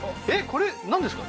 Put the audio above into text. これなんですか？